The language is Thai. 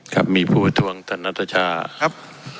ครับมีผู้ประทวงศ์ธรรมนัทชาติครับ